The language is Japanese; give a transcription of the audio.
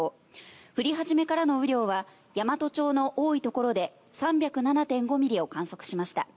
降り始めからの雨量は山都町の多いところで３０７．５ミリを観測しました。